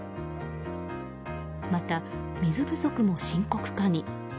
また、水不足も深刻化に。